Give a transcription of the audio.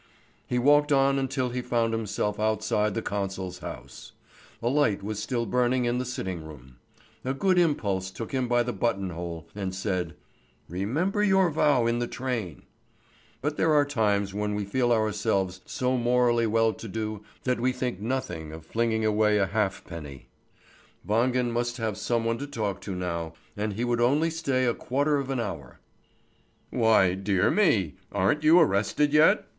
He walked on until he found himself outside the consul's house. A light was still burning in the sitting room. A good impulse took him by the button hole and said: "Remember your vow in the train!" But there are times when we feel ourselves so morally well to do that we think nothing of flinging away a halfpenny. Wangen must have some one to talk to now, and he would only stay a quarter of an hour. "Why, dear me! Aren't you arrested yet?"